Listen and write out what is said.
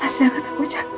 mas jangan aku jatuh mas